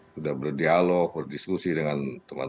sudah berdialog berdiskusi dengan teman teman